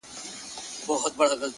له خدای وطن سره عجیبه مُحبت کوي;